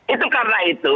itu karena itu